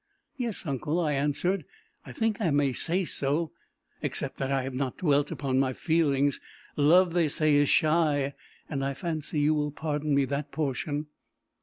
"Yes, uncle," I answered; "I think I may say so except that I have not dwelt upon my feelings. Love, they say, is shy; and I fancy you will pardon me that portion."